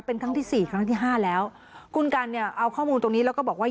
เป็นครั้งที่สี่ครั้งที่ห้าแล้วคุณกันเนี่ยเอาข้อมูลตรงนี้แล้วก็บอกว่า